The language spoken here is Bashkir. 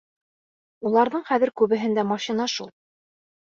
Уларҙың хәҙер күбеһендә машина шул.